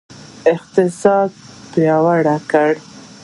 اقتصاد پیاوړی کړئ